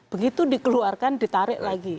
begitu dikeluarkan ditarik lagi